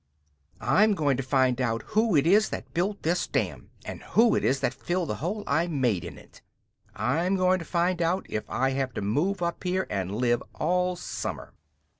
"I'm going to find out who it is that built this dam, and who it is that filled the hole I made in it! I'm going to find out if I have to move up here and live all summer!"